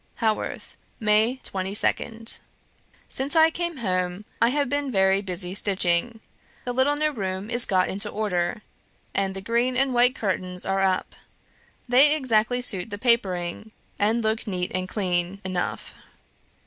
"Haworth, May 22nd. "Since I came home I have been very busy stitching; the little new room is got into order, and the green and white curtains are up; they exactly suit the papering, and look neat and clean enough.